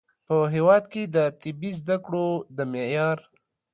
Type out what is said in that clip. په هیواد کې د طبي زده کړو د معیار